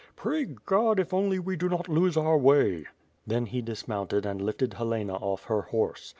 Pray God, if only we do not lose our way!" Then he dismounted and lifted Helena off her horie.